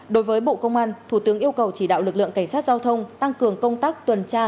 đối với bộ công an thủ tướng yêu cầu chỉ đạo lực lượng cảnh sát giao thông tăng cường công tác tuần tra